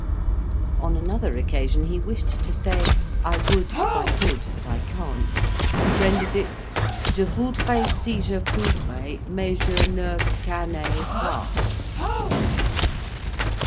On another occasion, he wished to say "I would if I could, but I can't," and rendered it, "Je voudrais si je coudrais, mais je ne cannais pas."